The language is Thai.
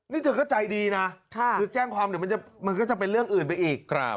นี่เธอก็ใจดีนะคือแจ้งความเดี๋ยวมันก็จะเป็นเรื่องอื่นไปอีก